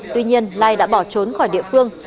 tuy nhiên lai đã bỏ trốn khỏi địa phương